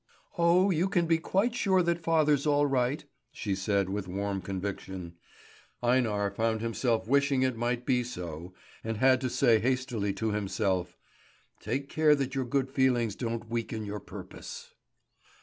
"Oh, you can be quite sure that father's all right," she said with warm conviction. Einar found himself wishing it might be so, and had to say hastily to himself: "Take care that your good feelings don't weaken your purpose."